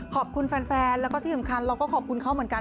ขอบคุณแฟนแล้วก็ที่สำคัญเราก็ขอบคุณเขาเหมือนกัน